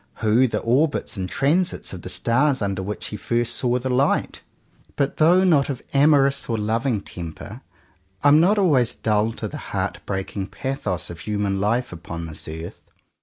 — who the orbits and transits of the stars under which he first saw the light .? But though not of amorous or loving temper, I am not always dull to the heart breaking pathos of human life upon this earth.